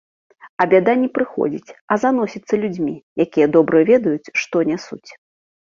А бяда не прыходзіць, а заносіцца людзьмі, якія добра ведаюць, што нясуць.